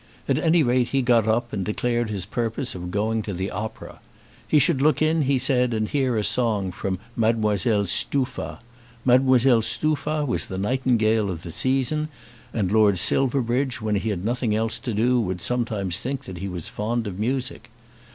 At any rate he got up and declared his purpose of going to the opera. He should look in, he said, and hear a song from Mdlle Stuffa. Mdlle Stuffa was the nightingale of the season, and Lord Silverbridge, when he had nothing else to do, would sometimes think that he was fond of music.